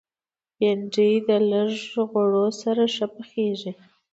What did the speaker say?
بېنډۍ د لږ غوړو سره ښه پخېږي